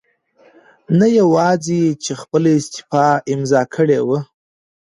نه یواځې چې خپله استعفاء امضا کړې وه